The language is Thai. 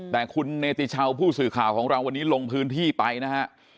แต่คุณเนติชาวผู้สื่อข่าวของเราวันนี้ลงพื้นที่ไปนะฮะ